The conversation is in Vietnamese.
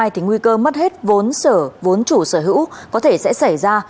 thì nguy cơ mất hết vốn sở vốn chủ sở hữu có thể sẽ xảy ra